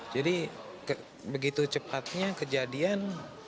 jadi begitu cepatnya kejadian